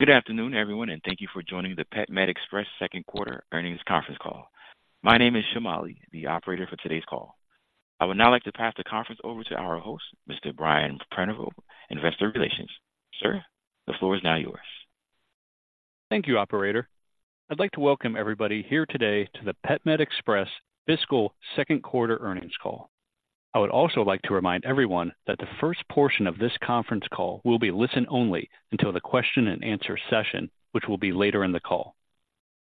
Good afternoon, everyone, and thank you for joining the PetMed Express second quarter earnings conference call. My name is Shamali, the operator for today's call. I would now like to pass the conference over to our host, Mr. Brian Prenoveau, Investor Relations. Sir, the floor is now yours. Thank you, operator. I'd like to welcome everybody here today to the PetMed Express fiscal second quarter earnings call. I would also like to remind everyone that the first portion of this conference call will be listen only until the question and answer session, which will be later in the call.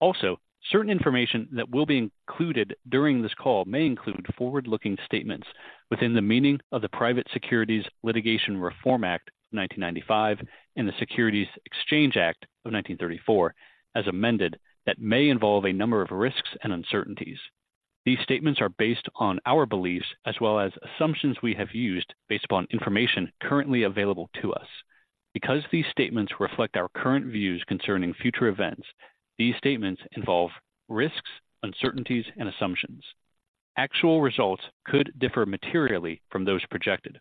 Also, certain information that will be included during this call may include forward-looking statements within the meaning of the Private Securities Litigation Reform Act of 1995 and the Securities Exchange Act of 1934, as amended, that may involve a number of risks and uncertainties. These statements are based on our beliefs as well as assumptions we have used based upon information currently available to us. Because these statements reflect our current views concerning future events, these statements involve risks, uncertainties, and assumptions. Actual results could differ materially from those projected.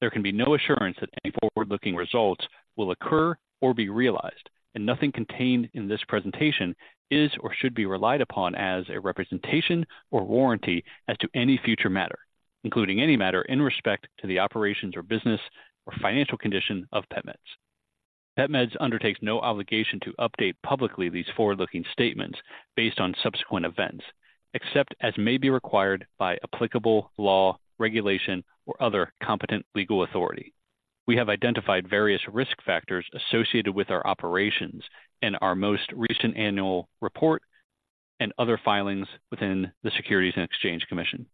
There can be no assurance that any forward-looking results will occur or be realized, and nothing contained in this presentation is or should be relied upon as a representation or warranty as to any future matter, including any matter in respect to the operations or business or financial condition of PetMeds. PetMeds undertakes no obligation to update publicly these forward-looking statements based on subsequent events, except as may be required by applicable law, regulation, or other competent legal authority. We have identified various risk factors associated with our operations in our most recent annual report and other filings within the Securities and Exchange Commission.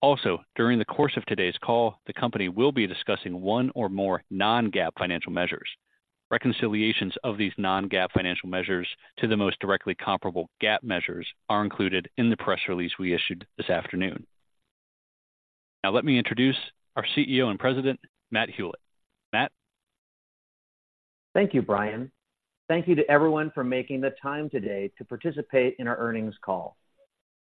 Also, during the course of today's call, the company will be discussing one or more non-GAAP financial measures. Reconciliations of these non-GAAP financial measures to the most directly comparable GAAP measures are included in the press release we issued this afternoon. Now, let me introduce our CEO and President, Matt Hulett. Matt? Thank you, Brian. Thank you to everyone for making the time today to participate in our earnings call.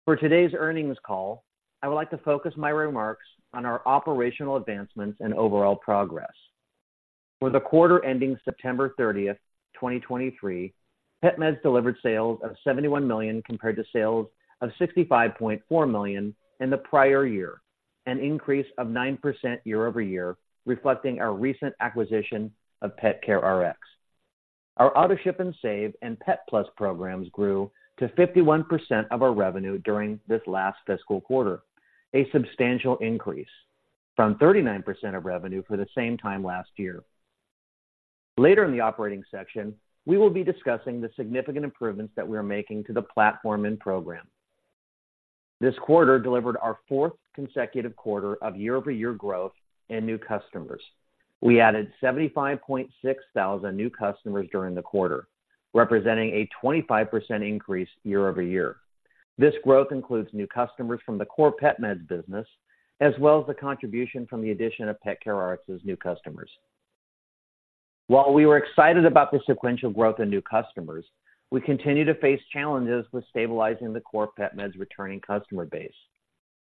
For today's earnings call, I would like to focus my remarks on our operational advancements and overall progress. For the quarter ending September 30th, 2023, PetMeds delivered sales of $71 million compared to sales of $65.4 million in the prior year, an increase of 9% year-over-year, reflecting our recent acquisition of PetCareRx. Our AutoShip & Save and PetPlus programs grew to 51% of our revenue during this last fiscal quarter, a substantial increase from 39% of revenue for the same time last year. Later in the operating section, we will be discussing the significant improvements that we are making to the platform and program. This quarter delivered our fourth consecutive quarter of year-over-year growth and new customers. We added 75,600 new customers during the quarter, representing a 25% increase year-over-year. This growth includes new customers from the core PetMeds business, as well as the contribution from the addition of PetCareRx's new customers. While we were excited about the sequential growth in new customers, we continue to face challenges with stabilizing the core PetMeds returning customer base.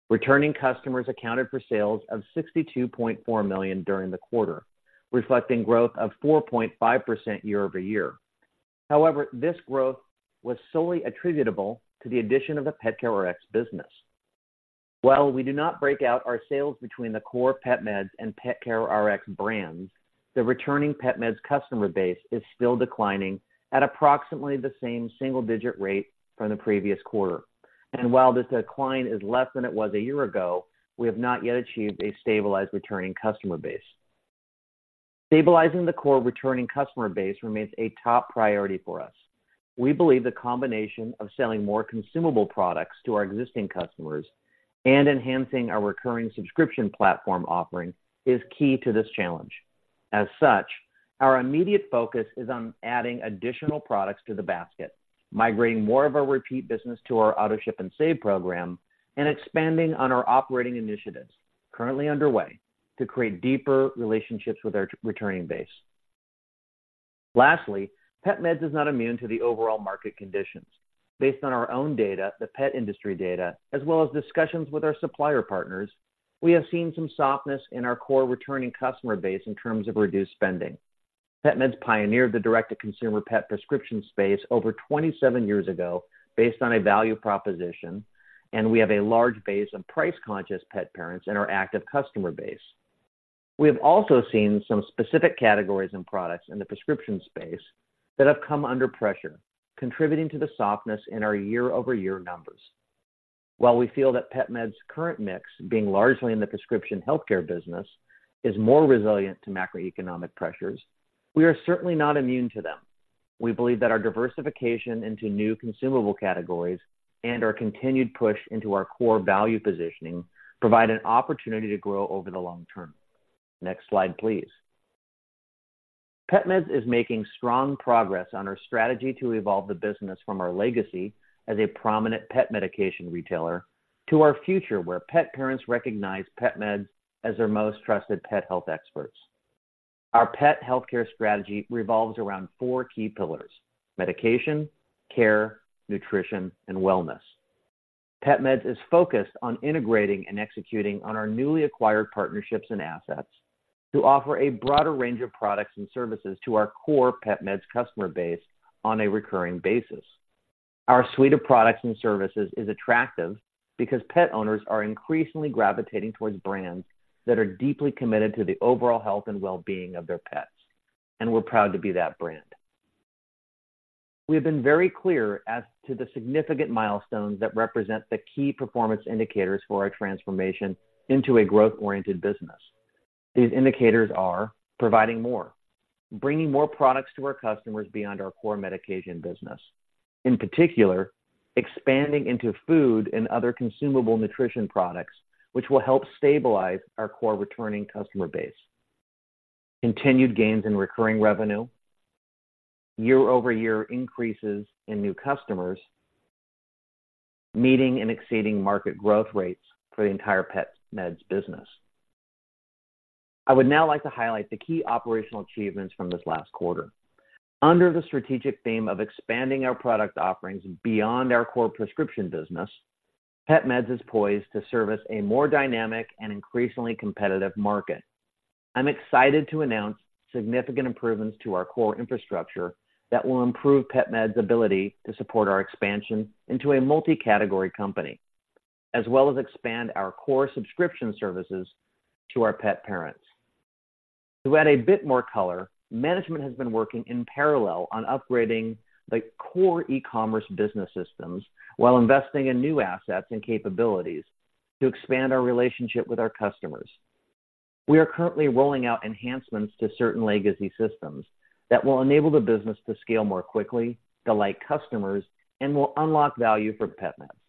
Returning customers accounted for sales of $62.4 million during the quarter, reflecting growth of 4.5% year-over-year. However, this growth was solely attributable to the addition of the PetCareRx business. While we do not break out our sales between the core PetMeds and PetCareRx brands, the returning PetMeds customer base is still declining at approximately the same single-digit rate from the previous quarter. While this decline is less than it was a year ago, we have not yet achieved a stabilized returning customer base. Stabilizing the core returning customer base remains a top priority for us. We believe the combination of selling more consumable products to our existing customers and enhancing our recurring subscription platform offering is key to this challenge. As such, our immediate focus is on adding additional products to the basket, migrating more of our repeat business to our AutoShip & Save program, and expanding on our operating initiatives currently underway to create deeper relationships with our returning base. Lastly, PetMeds is not immune to the overall market conditions. Based on our own data, the pet industry data, as well as discussions with our supplier partners, we have seen some softness in our core returning customer base in terms of reduced spending. PetMeds pioneered the direct-to-consumer pet prescription space over 27 years ago based on a value proposition, and we have a large base of price-conscious pet parents in our active customer base. We have also seen some specific categories and products in the prescription space that have come under pressure, contributing to the softness in our year-over-year numbers. While we feel that PetMeds' current mix, being largely in the prescription healthcare business, is more resilient to macroeconomic pressures, we are certainly not immune to them. We believe that our diversification into new consumable categories and our continued push into our core value positioning provide an opportunity to grow over the long term. Next slide, please. PetMeds is making strong progress on our strategy to evolve the business from our legacy as a prominent pet medication retailer to our future, where pet parents recognize PetMeds as their most trusted pet health experts. Our pet healthcare strategy revolves around four key pillars: medication, care, nutrition, and wellness. PetMeds is focused on integrating and executing on our newly acquired partnerships and assets to offer a broader range of products and services to our core PetMeds customer base on a recurring basis. Our suite of products and services is attractive because pet owners are increasingly gravitating towards brands that are deeply committed to the overall health and well-being of their pets, and we're proud to be that brand. We have been very clear as to the significant milestones that represent the key performance indicators for our transformation into a growth-oriented business. These indicators are providing more, bringing more products to our customers beyond our core medication business, in particular, expanding into food and other consumable nutrition products, which will help stabilize our core returning customer base. Continued gains in recurring revenue, year-over-year increases in new customers, meeting and exceeding market growth rates for the entire PetMeds business. I would now like to highlight the key operational achievements from this last quarter. Under the strategic theme of expanding our product offerings beyond our core prescription business, PetMeds is poised to service a more dynamic and increasingly competitive market. I'm excited to announce significant improvements to our core infrastructure that will improve PetMeds' ability to support our expansion into a multi-category company, as well as expand our core subscription services to our pet parents. To add a bit more color, management has been working in parallel on upgrading the core e-commerce business systems while investing in new assets and capabilities to expand our relationship with our customers. We are currently rolling out enhancements to certain legacy systems that will enable the business to scale more quickly, delight customers, and will unlock value for PetMeds.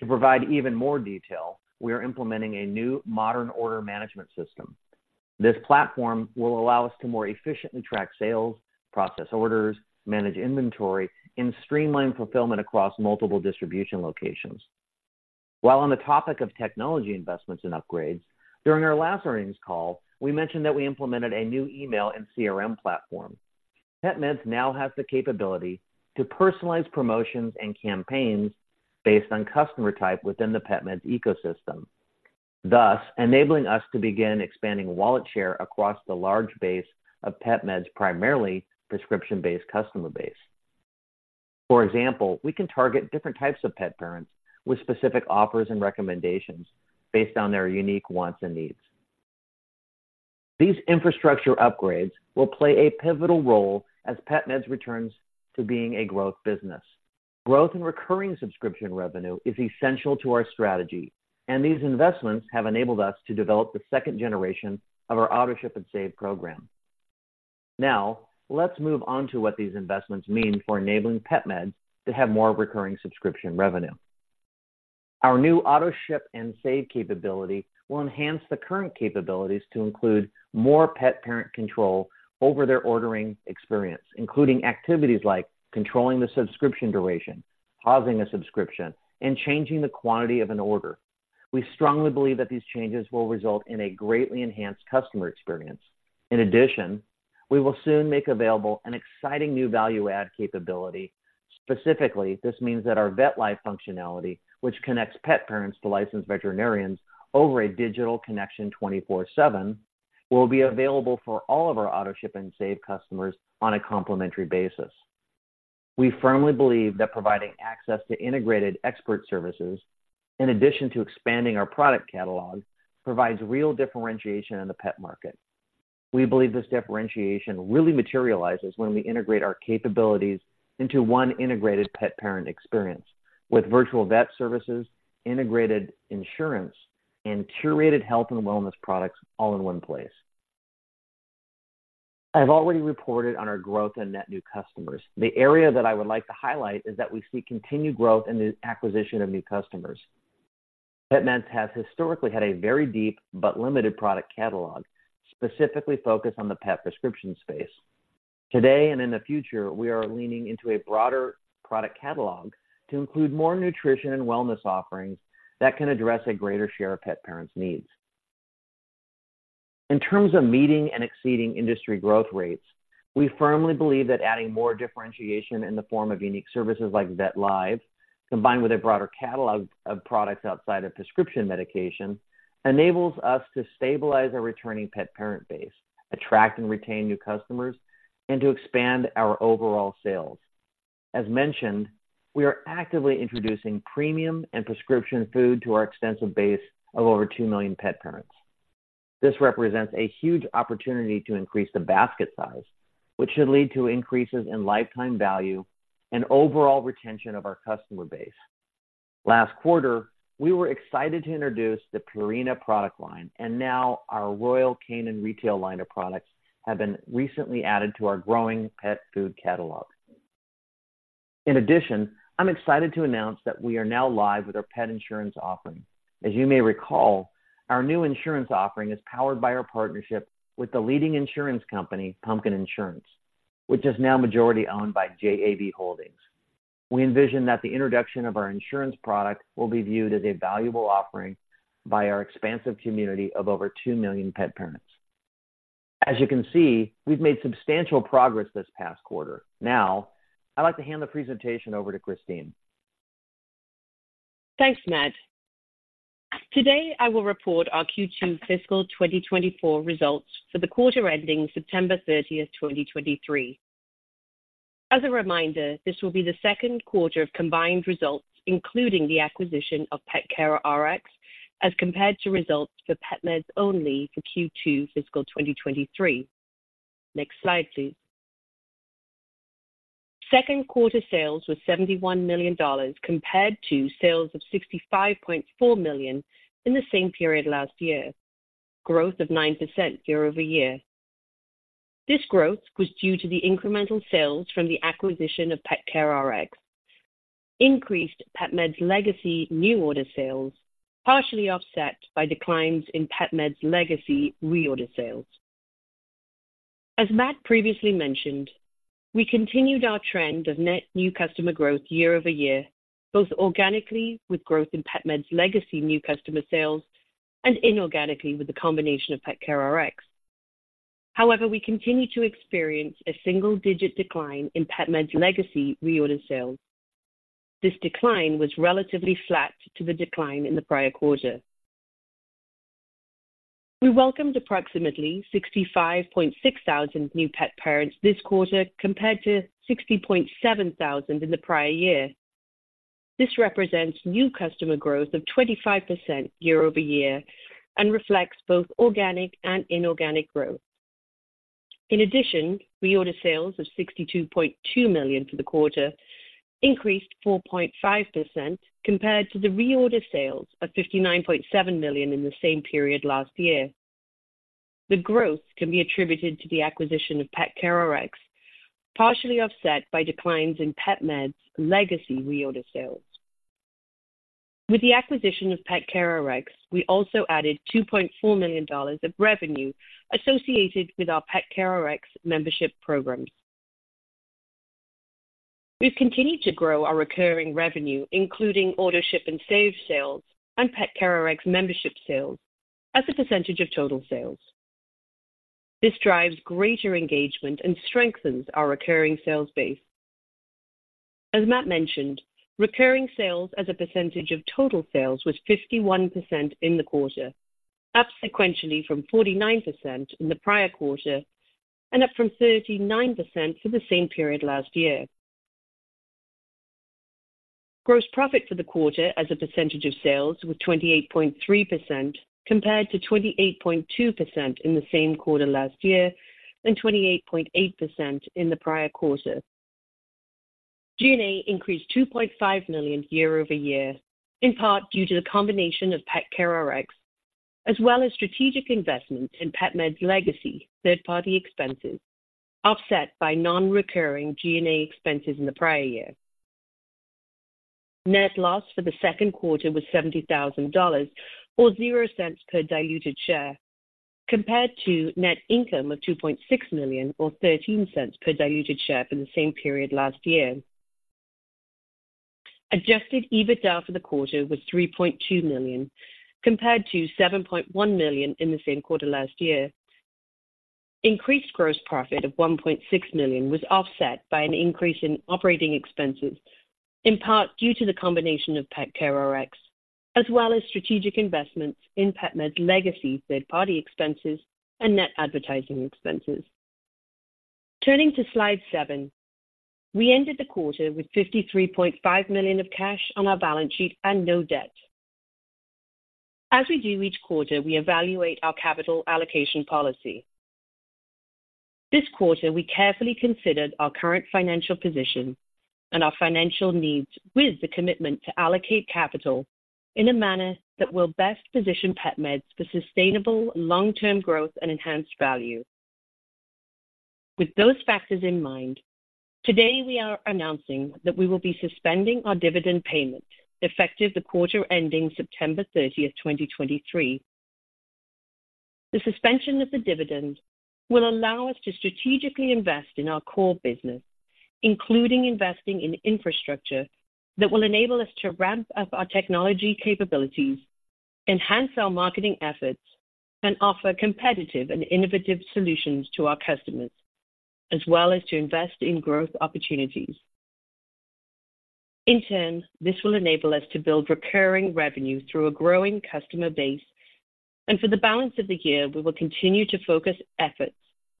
To provide even more detail, we are implementing a new modern order management system. This platform will allow us to more efficiently track sales, process orders, manage inventory, and streamline fulfillment across multiple distribution locations. While on the topic of technology investments and upgrades, during our last earnings call, we mentioned that we implemented a new email and CRM platform. PetMeds now has the capability to personalize promotions and campaigns based on customer type within the PetMeds ecosystem, thus enabling us to begin expanding wallet share across the large base of PetMeds' primarily prescription-based customer base. For example, we can target different types of pet parents with specific offers and recommendations based on their unique wants and needs. These infrastructure upgrades will play a pivotal role as PetMeds returns to being a growth business. Growth and recurring subscription revenue is essential to our strategy, and these investments have enabled us to develop the second generation of our AutoShip & Save program. Now, let's move on to what these investments mean for enabling PetMeds to have more recurring subscription revenue. Our new AutoShip & Save capability will enhance the current capabilities to include more pet parent control over their ordering experience, including activities like controlling the subscription duration, pausing a subscription, and changing the quantity of an order. We strongly believe that these changes will result in a greatly enhanced customer experience. In addition, we will soon make available an exciting new value add capability. Specifically, this means that our VetLive functionality, which connects pet parents to licensed veterinarians over a digital connection 24/7, will be available for all of our AutoShip & Save customers on a complimentary basis. We firmly believe that providing access to integrated expert services, in addition to expanding our product catalog, provides real differentiation in the pet market. We believe this differentiation really materializes when we integrate our capabilities into one integrated pet parent experience with virtual vet services, integrated insurance, and curated health and wellness products all in one place. I've already reported on our growth in net new customers. The area that I would like to highlight is that we see continued growth in the acquisition of new customers. PetMeds has historically had a very deep but limited product catalog, specifically focused on the pet prescription space. Today and in the future, we are leaning into a broader product catalog to include more nutrition and wellness offerings that can address a greater share of pet parents' needs. In terms of meeting and exceeding industry growth rates, we firmly believe that adding more differentiation in the form of unique services like VetLive, combined with a broader catalog of products outside of prescription medication, enables us to stabilize our returning pet parent base, attract and retain new customers, and to expand our overall sales. As mentioned, we are actively introducing premium and prescription food to our extensive base of over 2 million pet parents. This represents a huge opportunity to increase the basket size, which should lead to increases in lifetime value and overall retention of our customer base. Last quarter, we were excited to introduce the Purina product line, and now our Royal Canin retail line of products have been recently added to our growing pet food catalog. In addition, I'm excited to announce that we are now live with our pet insurance offering. As you may recall, our new insurance offering is powered by our partnership with the leading insurance company, Pumpkin Insurance, which is now majority-owned by JAB Holdings. We envision that the introduction of our insurance product will be viewed as a valuable offering by our expansive community of over two million pet parents. As you can see, we've made substantial progress this past quarter. Now, I'd like to hand the presentation over to Christine. Thanks, Matt. Today, I will report our Q2 fiscal 2024 results for the quarter ending September 30th, 2023. As a reminder, this will be the second quarter of combined results, including the acquisition of PetCareRx, as compared to results for PetMeds only for Q2 fiscal 2023. Next slide, please. Second quarter sales were $71 million, compared to sales of $65.4 million in the same period last year, growth of 9% year-over-year. This growth was due to the incremental sales from the acquisition of PetCareRx, increased PetMeds legacy new order sales, partially offset by declines in PetMeds legacy reorder sales. As Matt previously mentioned, we continued our trend of net new customer growth year-over-year, both organically, with growth in PetMeds legacy new customer sales, and inorganically with the combination of PetCareRx. However, we continued to experience a single-digit decline in PetMeds legacy reorder sales. This decline was relatively flat to the decline in the prior quarter. We welcomed approximately 65,600 new pet parents this quarter, compared to 60,700 in the prior year. This represents new customer growth of 25% year-over-year and reflects both organic and inorganic growth. In addition, reorder sales of $62.2 million for the quarter increased 4.5% compared to the reorder sales of $59.7 million in the same period last year. The growth can be attributed to the acquisition of PetCareRx, partially offset by declines in PetMeds legacy reorder sales. With the acquisition of PetCareRx, we also added $2.4 million of revenue associated with our PetCareRx membership programs. We've continued to grow our recurring revenue, including AutoShip & Save sales and PetCareRx membership sales as a percentage of total sales. This drives greater engagement and strengthens our recurring sales base. As Matt mentioned, recurring sales as a percentage of total sales was 51% in the quarter, up sequentially from 49% in the prior quarter and up from 39% for the same period last year. Gross profit for the quarter as a percentage of sales was 28.3%, compared to 28.2% in the same quarter last year and 28.8% in the prior quarter. G&A increased $2.5 million year-over-year, in part due to the combination of PetCareRx, as well as strategic investments in PetMeds' legacy third-party expenses, offset by non-recurring G&A expenses in the prior year. Net loss for the second quarter was $70,000 or $0.00 per diluted share, compared to net income of $2.6 million or $0.13 per diluted share for the same period last year. Adjusted EBITDA for the quarter was $3.2 million, compared to $7.1 million in the same quarter last year. Increased gross profit of $1.6 million was offset by an increase in operating expenses, in part due to the combination of PetCareRx, as well as strategic investments in PetMeds legacy third-party expenses and net advertising expenses. Turning to slide seven, we ended the quarter with $53.5 million of cash on our balance sheet and no debt. As we do each quarter, we evaluate our capital allocation policy. This quarter, we carefully considered our current financial position and our financial needs with the commitment to allocate capital in a manner that will best position PetMeds for sustainable long-term growth and enhanced value. With those factors in mind, today we are announcing that we will be suspending our dividend payment, effective the quarter ending September 30th, 2023. The suspension of the dividend will allow us to strategically invest in our core business, including investing in infrastructure that will enable us to ramp up our technology capabilities, enhance our marketing efforts, and offer competitive and innovative solutions to our customers, as well as to invest in growth opportunities. In turn, this will enable us to build recurring revenue through a growing customer base, and for the balance of the year, we will continue to focus efforts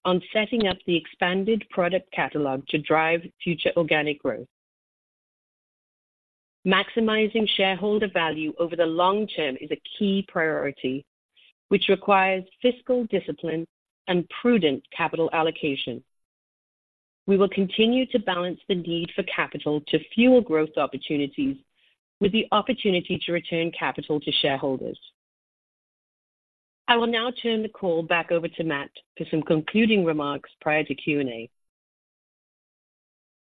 on setting up the expanded product catalog to drive future organic growth. Maximizing shareholder value over the long term is a key priority, which requires fiscal discipline and prudent capital allocation. We will continue to balance the need for capital to fuel growth opportunities with the opportunity to return capital to shareholders. I will now turn the call back over to Matt for some concluding remarks prior to Q&A.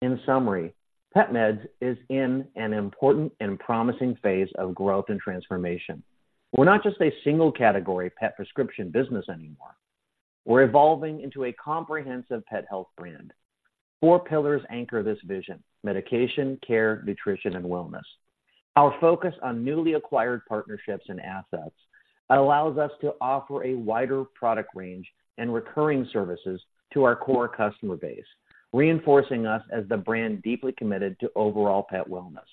In summary, PetMeds is in an important and promising phase of growth and transformation. We're not just a single-category pet prescription business anymore. We're evolving into a comprehensive pet health brand. Four pillars anchor this vision: medication, care, nutrition, and wellness. Our focus on newly acquired partnerships and assets allows us to offer a wider product range and recurring services to our core customer base, reinforcing us as the brand deeply committed to overall pet wellness.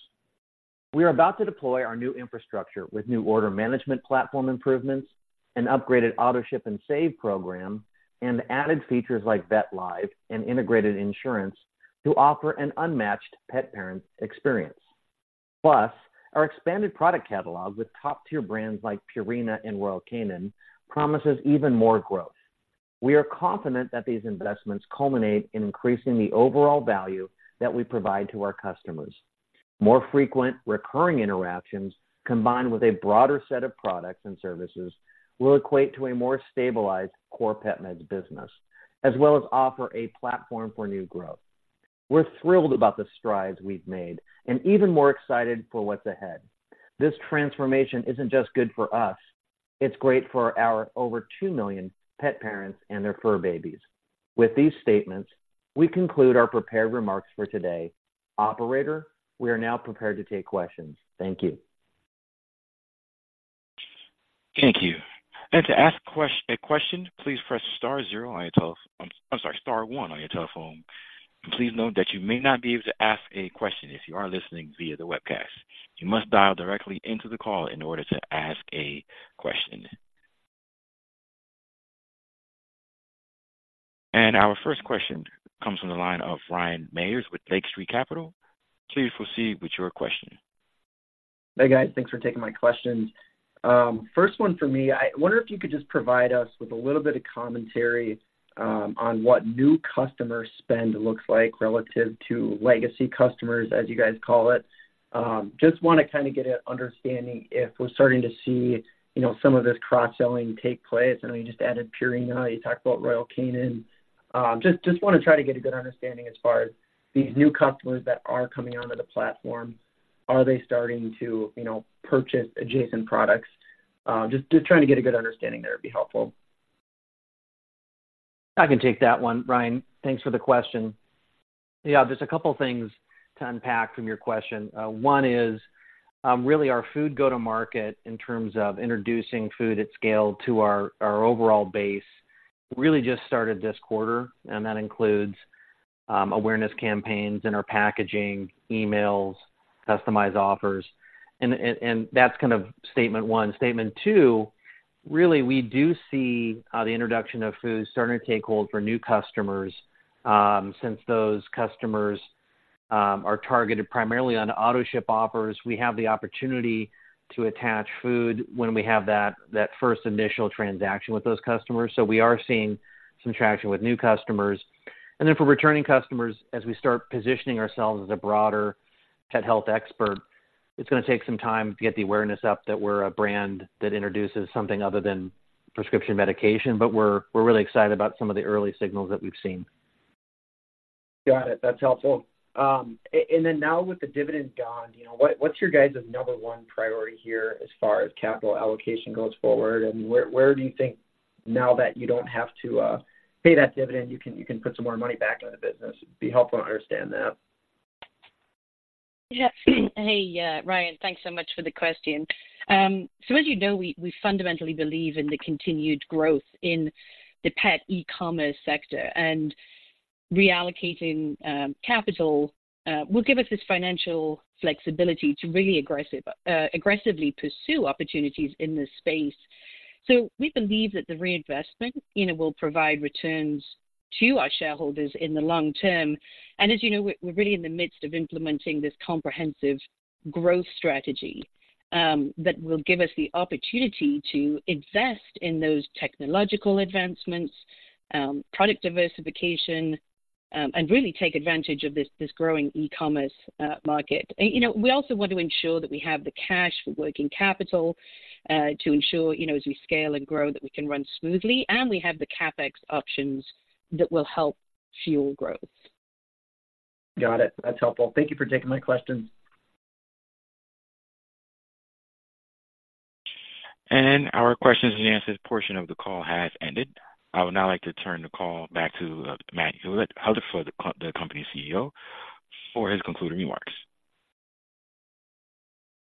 We are about to deploy our new infrastructure with new order management platform improvements and upgraded AutoShip & Save program, and added features like VetLive and integrated insurance to offer an unmatched pet parent experience. Plus, our expanded product catalog with top-tier brands like Purina and Royal Canin promises even more growth. We are confident that these investments culminate in increasing the overall value that we provide to our customers. More frequent recurring interactions, combined with a broader set of products and services, will equate to a more stabilized core PetMeds' business, as well as offer a platform for new growth. We're thrilled about the strides we've made and even more excited for what's ahead. This transformation isn't just good for us, it's great for our over 2 million pet parents and their fur babies. With these statements, we conclude our prepared remarks for today. Operator, we are now prepared to take questions. Thank you. Thank you. To ask a question, please press star zero on your telephone. I'm sorry, star one on your telephone. Please note that you may not be able to ask a question if you are listening via the webcast. You must dial directly into the call in order to ask a question. Our first question comes from the line of Ryan Meyers with Lake Street Capital. Please proceed with your question. Hey, guys. Thanks for taking my questions. First one for me, I wonder if you could just provide us with a little bit of commentary on what new customer spend looks like relative to legacy customers, as you guys call it. Just want to kinda get an understanding if we're starting to see, you know, some of this cross-selling take place. I know you just added Purina, you talked about Royal Canin. Just want to try to get a good understanding as far as these new customers that are coming onto the platform. Are they starting to, you know, purchase adjacent products? Just trying to get a good understanding there would be helpful. I can take that one, Ryan. Thanks for the question. Yeah, there's a couple things to unpack from your question. One is really our food go-to-market in terms of introducing food at scale to our overall base really just started this quarter, and that includes awareness campaigns in our packaging, emails, customized offers, and that's kind of statement one. Statement two, really, we do see the introduction of food starting to take hold for new customers. Since those customers are targeted primarily on AutoShip offers, we have the opportunity to attach food when we have that first initial transaction with those customers. So we are seeing some traction with new customers. And then for returning customers, as we start positioning ourselves as a broader pet health expert, it's gonna take some time to get the awareness up that we're a brand that introduces something other than prescription medication, but we're, we're really excited about some of the early signals that we've seen. Got it. That's helpful. And then now with the dividend gone, you know, what's your guys' number one priority here as far as capital allocation goes forward? And where do you think now that you don't have to pay that dividend, you can put some more money back into the business? It'd be helpful to understand that. Yeah. Hey, Ryan, thanks so much for the question. So as you know, we fundamentally believe in the continued growth in the pet e-commerce sector, and reallocating capital will give us this financial flexibility to really aggressively pursue opportunities in this space. So we believe that the reinvestment, you know, will provide returns to our shareholders in the long term. And as you know, we're really in the midst of implementing this comprehensive growth strategy that will give us the opportunity to invest in those technological advancements, product diversification, and really take advantage of this growing e-commerce market. You know, we also want to ensure that we have the cash for working capital to ensure, you know, as we scale and grow, that we can run smoothly, and we have the CapEx options that will help fuel growth. Got it. That's helpful. Thank you for taking my questions. Our questions and answers portion of the call has ended. I would now like to turn the call back to Matt Hulett, the company's CEO, for his concluding remarks.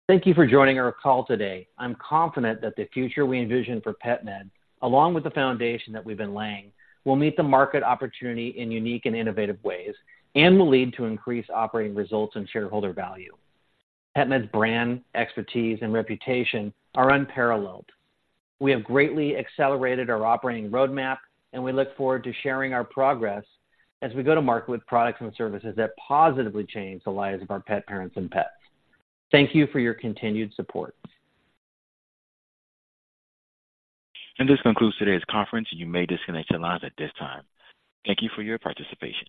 Thank you for joining our call today. I'm confident that the future we envision for PetMed, along with the foundation that we've been laying, will meet the market opportunity in unique and innovative ways and will lead to increased operating results and shareholder value. PetMeds' brand, expertise, and reputation are unparalleled. We have greatly accelerated our operating roadmap, and we look forward to sharing our progress as we go to market with products and services that positively change the lives of our pet parents and pets. Thank you for your continued support. This concludes today's conference. You may disconnect your lines at this time. Thank you for your participation.